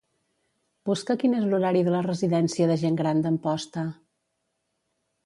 Busca quin és l'horari de la residència de gent gran d'Amposta.